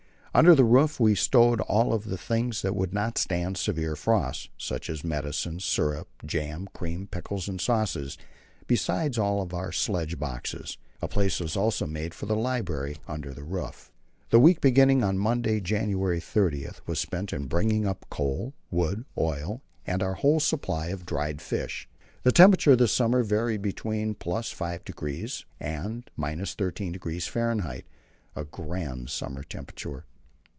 Under the roof were stowed all the things that would not stand severe frost, such as medicines, syrup, jam, cream, pickles, and sauces, besides all our sledge boxes. A place was also made for the library under the roof. The week beginning on Monday, January 30, was spent in bringing up coal, wood, oil, and our whole supply of dried fish. The temperature this summer varied between +5° and 13°F. a grand summer temperature.